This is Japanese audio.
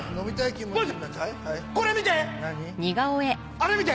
あれ見て！